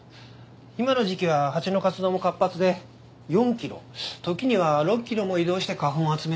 今の時期は蜂の活動も活発で４キロ時には６キロも移動して花粉を集めるんです。